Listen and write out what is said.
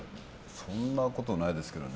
そんなことないですけどね。